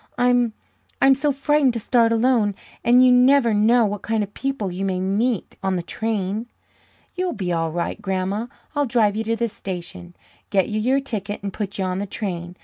"I'm I'm so frightened to start alone. And you never know what kind of people you may meet on the train." "You'll be all right, Grandma. I'll drive you to the station, get you your ticket, and put you on the train.